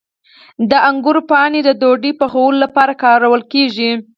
د انګورو پاڼې د ډوډۍ پخولو لپاره کارول کیږي.